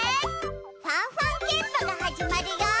ファンファンケンパが始まるよ！